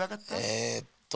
えっと